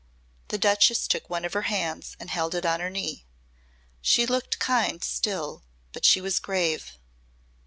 The Duchess took one of her hands and held it on her knee. She looked kind still but she was grave.